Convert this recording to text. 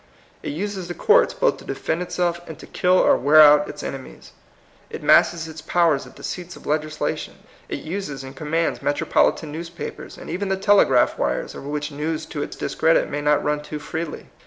It uses the courts both to defend itself, and to kill or wear out its enemies; it masses its powers at the seats of legislation ; it uses and commands metropolitan newspapers, and even the telegraph wires, over which news to its discredit may not run too freely.